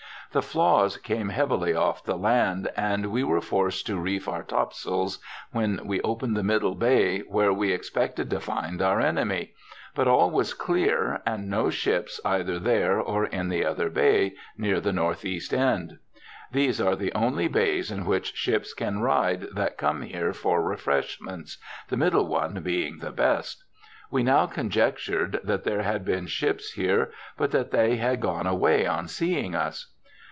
The flaws came heavily off the land, and we were forced to reef our top sails when we opened the middle bay, where we expected to find our enemy, but all was clear and no ships either there or in the other bay near the NE. end. These are the only bays in which ships can ride that come here for refreshments, the middle one being the best. We now conjectured that there had been ships here, but that they had gone away on seeing us.